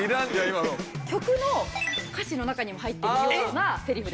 曲の歌詞の中にも入ってるようなセリフです。